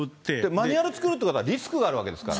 マニュアル作るということはリスクがあるわけですから。